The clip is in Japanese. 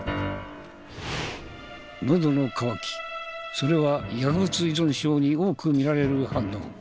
それは薬物依存症に多く見られる反応。